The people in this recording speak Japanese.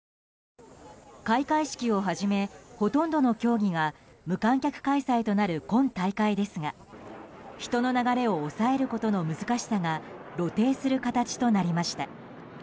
開会式をはじめほとんどの競技が無観客開催となる今大会ですが人の流れを抑えることの難しさが露呈する形となりました。